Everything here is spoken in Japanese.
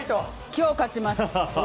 今日勝ちます！